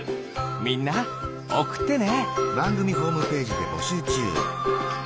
みんなおくってね！